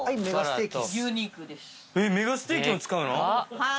メガステーキも使うの⁉はい。